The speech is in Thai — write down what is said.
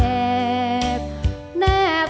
จูบลูกหลายเท่าโยม